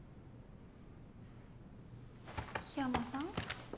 ・緋山さん？